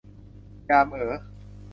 ยามเอ๋อ